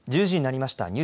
１０時になりました。